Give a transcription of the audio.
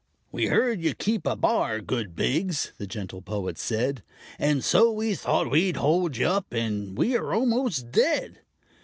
"We heard you keep a bar, good Biggs," the gentle Poet said! "And so we thought we'd hold you up, and we are almost dead!"